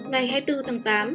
ngày hai mươi bốn tháng tám